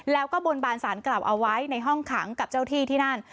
แล้วก็บนบานสารกลับเอาไว้ในห้องขังกับเจ้าที่ที่นั่น